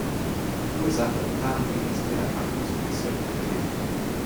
Ursache und Pathogenese der Erkrankung sind bisher ungeklärt.